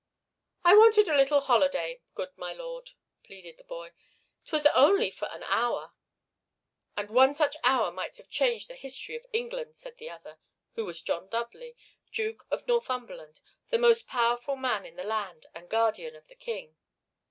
"I wanted a little holiday, good my lord," pleaded the boy. "'Twas only for an hour." "And one such hour might have changed the history of England," said the other, who was John Dudley, Duke of Northumberland, the most powerful man in the land and guardian of the King.